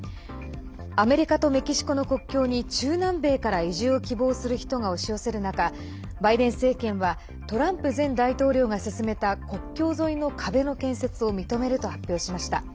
アメリカとメキシコの国境に中南米から移住を希望する人が押し寄せる中バイデン政権はトランプ前大統領が進めた国境沿いの壁の建設を認めると発表しました。